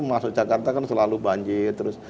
masa jakarta kan selalu banjir